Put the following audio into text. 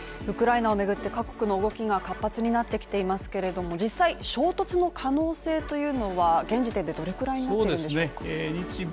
ウクライナを巡って各国の動きが活発になってきていますけれども実際、衝突の可能性というのは現時点でどのぐらいになっているんでしょうか